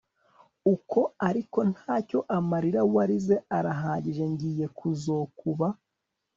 uko……ariko ntaco amarira warize arahagije ngiye kuzokuba